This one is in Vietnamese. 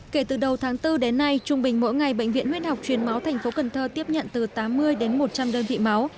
kể từ đầu tháng bốn đến nay trung bình mỗi ngày bệnh viện huyết học truyền máu thành phố cần thơ tiếp nhận từ tám mươi đến một trăm linh đơn vị máu